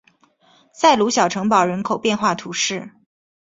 塞鲁小城堡人口变化图示